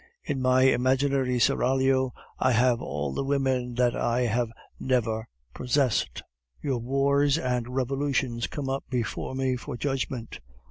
In my imaginary seraglio I have all the women that I have never possessed. Your wars and revolutions come up before me for judgment.